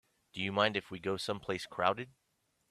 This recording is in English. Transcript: Do you mind if we go someplace crowded?